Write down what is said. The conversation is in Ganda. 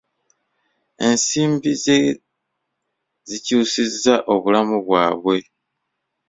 Ensimbi ze zikyusizza obulamu bwabwe.